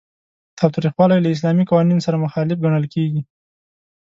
تاوتریخوالی له اسلامي قوانینو سره مخالف ګڼل کیږي.